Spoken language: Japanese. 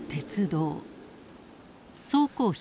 総工費